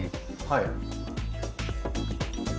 はい。